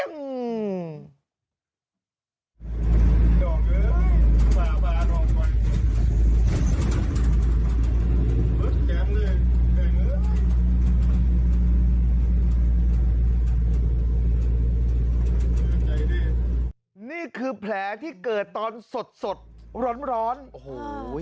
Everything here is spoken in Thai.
นี่คือแผลที่เกิดตอนสดร้อนโอ้โห